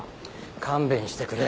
勘弁してくれ。